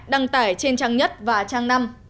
đăng tải trên trang nhất và trang năm